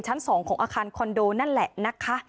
ชั้น๒ของอาคารคอนโดนั่นแหละนะคะ